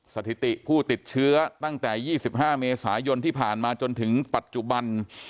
สถิติผู้ติดเชื้อตั้งแต่๒๕เมษายนที่ผ่านมาจนถึงปัจจุบัน